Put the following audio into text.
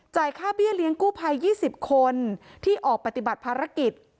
ค่าเบี้ยเลี้ยงกู้ภัย๒๐คนที่ออกปฏิบัติภารกิจ